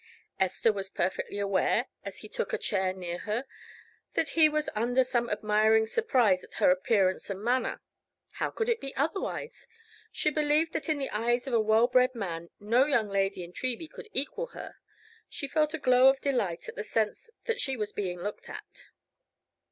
Esther was perfectly aware, as he took a chair near her, that he was under some admiring surprise at her appearance and manner. How could it be otherwise? She believed that in the eyes of a well bred man no young lady in Treby could equal her: she felt a glow of delight at the sense that she was being looked at.